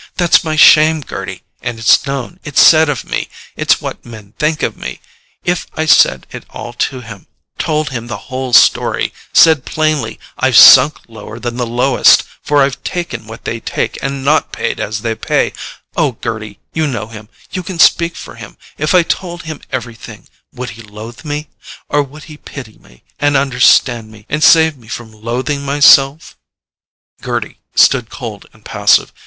That's my shame, Gerty—and it's known, it's said of me—it's what men think of me—If I said it all to him—told him the whole story—said plainly: 'I've sunk lower than the lowest, for I've taken what they take, and not paid as they pay'—oh, Gerty, you know him, you can speak for him: if I told him everything would he loathe me? Or would he pity me, and understand me, and save me from loathing myself?" Gerty stood cold and passive.